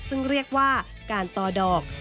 ซึ่งเรียกว่าการต่อดอก